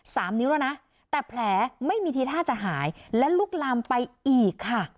สามนิ้วแล้วนะแต่แผลไม่มีทีท่าจะหายและลุกลามไปอีกค่ะ